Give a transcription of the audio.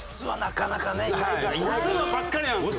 オスばっかりなんですよ。